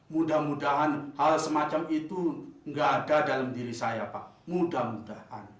mudah mudahan hal semacam itu nggak ada dalam diri saya pak mudah mudahan